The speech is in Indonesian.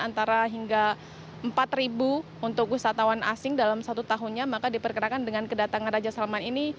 antara hingga empat ribu untuk wisatawan asing dalam satu tahunnya maka diperkirakan dengan kedatangan raja salman ini